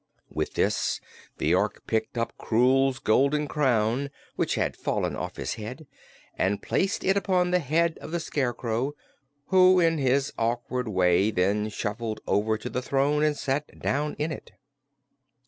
With this the Ork picked up Krewl's golden crown, which had fallen off his head, and placed it upon the head of the Scarecrow, who in his awkward way then shuffled over to the throne and sat down in it.